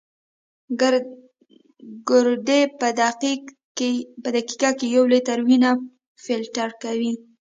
ګردې په دقیقه کې یو لیټر وینه فلټر کوي.